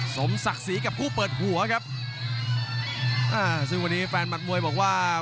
สมศักดิ์ศรีกับคู่เปิดหัวครับซึ่งควรณีแฟนธุ์หมดมวยบอกว่า